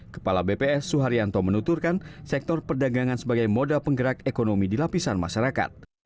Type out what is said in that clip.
kepala bps suharyanto menuturkan sektor perdagangan sebagai moda penggerak ekonomi di lapisan masyarakat